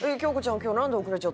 今日なんで遅れちゃったの？